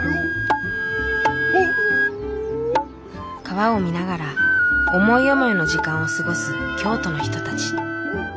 川を見ながら思い思いの時間を過ごす京都の人たち。